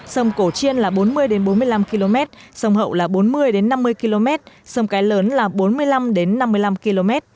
sông cổ chiên là bốn mươi bốn mươi năm km sông hậu là bốn mươi năm mươi km sông cái lớn là bốn mươi năm năm mươi năm km